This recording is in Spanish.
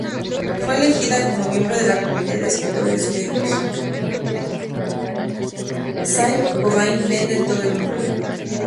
Saint-Gobain vende en todo el mundo.